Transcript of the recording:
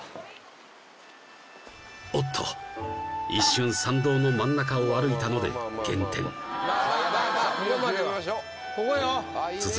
おっと一瞬参道の真ん中を歩いたので減点やばいやばい